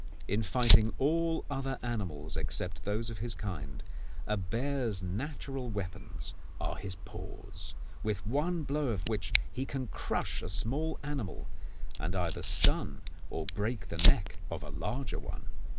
In fighting all other animals except those of his kind, a bear's natural weapons are his paws, with one blow of which he can crush a small animal, and either stun or break the neck of a larger one.